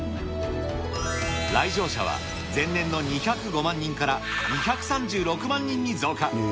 来場者は前年の２０５万人から、２３６万人に増加。